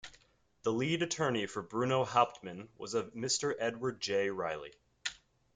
The lead attorney for Bruno Hauptmann was a Mr. Edward J. Reilly.